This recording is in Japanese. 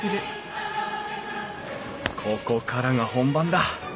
ここからが本番だ。